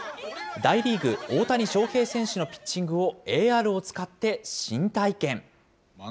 大リーグ、大谷翔平選手のピッチングを、ＡＲを使って新体験。